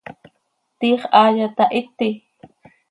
¿Tiix haaya tahiti?